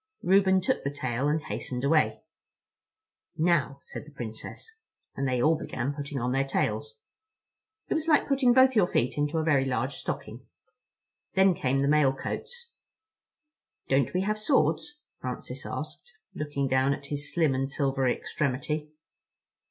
Reuben took the tail and hastened away. "Now," said the Princess. And they all began putting on their tails. It was like putting both your feet into a very large stocking. Then came the mail coats. "Don't we have swords?" Francis asked, looking down at his slim and silvery extremity.